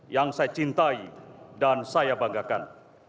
yang saya cintai dan saya banggakan